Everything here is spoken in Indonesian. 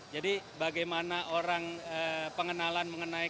jadi bagaimana orang pengenalan mengenai kendaraan